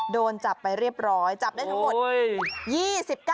โดนจับไปเรียบร้อยจับได้ทั้งหมด